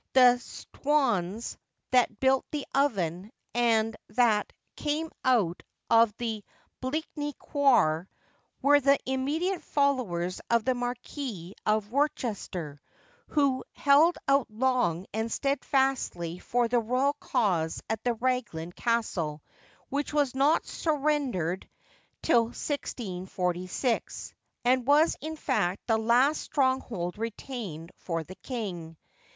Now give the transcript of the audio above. The 'stwons' that 'built the oven,' and that 'came out of the Bleakney quaar,' were the immediate followers of the Marquis of Worcester, who held out long and steadfastly for the Royal cause at Raglan Castle, which was not surrendered till 1646, and was in fact the last stronghold retained for the King.